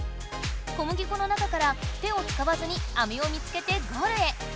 小麦粉の中から手をつかわずにアメを見つけてゴールへ！